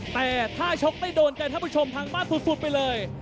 แต่ถ้าชกได้โดนใจให้ผู้ชมทางมาสูดไปเลย